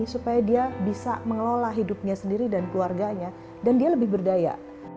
supaya dia bisa mengelola hidupnya sendiri dan keluarganya dan dia lebih berdaya